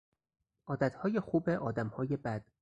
عادتهای خوب آدمهای بد